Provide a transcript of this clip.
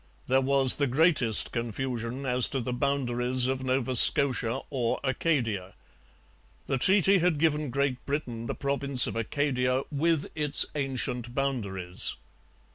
There was the greatest confusion as to the boundaries of Nova Scotia or Acadia. The treaty had given Great Britain the province of Acadia 'with its ancient boundaries.'